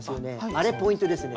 あれポイントですね。